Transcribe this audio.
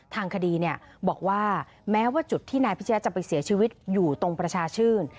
ทางคดีบอกว่าแม้ว่าจุดที่นายพิชยะจะไปเสียชีวิตอยู่ตรงประชาชื่น